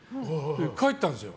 帰ったんですよ